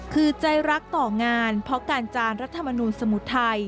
คือใจรักต่องานเพราะการจานรัฐมนูลสมุทรไทย